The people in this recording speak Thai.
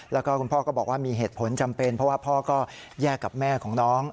แล้วก็คุณพ่อก็บอกว่ามีเหตุผลจำเป็นเพราะว่าพ่อก็แยกกับแม่ของน้อง